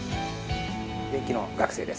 現役の学生です。